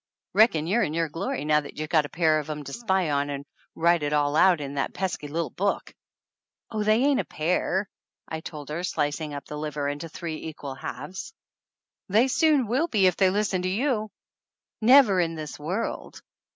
Reckon you're in your glory, now that you've got a pair of 'em to spy on and write it all out in that pesky little book !" "Oh, they ain't a pair!" I told her, slicing up the liver into three equal halves. THE ANNALS OF ANN "They soon will be if they listen to you !" "Never in this world